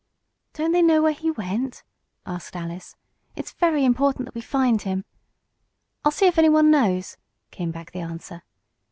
"Don't they know where he went?" asked Alice. "It's very important that we find him." "I'll see if anyone knows," came back the answer.